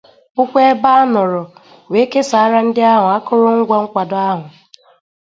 bụkwa ebe a nọrọ wee kesàára ndị ahụ akụrụngwa nkwàdo ahụ.